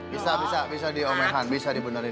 bisa bisa bisa diomekan bisa dibenerin